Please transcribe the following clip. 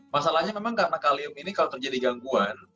masalahnya memang karena kalium ini kalau terjadi gangguan